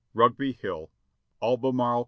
^'Rugby Hall, "Albemarle Co..